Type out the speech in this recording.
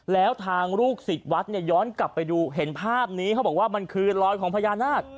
แล้วทางลูกศิษย์วัดเนี่ยย้อนกลับไปดูเห็นภาพนี้เขาบอกว่ามันคือรอยของพญานาค